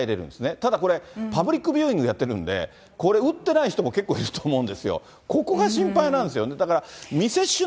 ただ、これ、パブリックビューイングやってるんで、これ、打ってない人も結構いると思うんですよ。